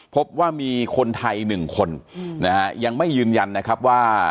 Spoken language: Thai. พบว่ามีคนไทยหนึ่งคนนะฮะยังไม่ยืนยันนะครับว่า